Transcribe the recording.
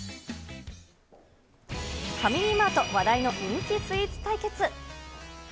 ファミリーマート、話題の人気スイーツ対決。